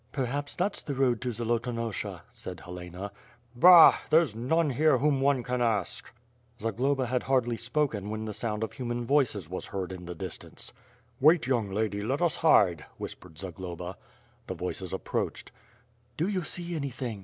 "Perhaps that's the road to Zolotonosha," said Helena. "Bah! there's none here whom one can ask." Zaglo))a had hardly spoken when the sound of human voices was heard in the distance. "Wait, young lady, let us hide," whispered Zagloba. The voices approached. "Do you see anything?"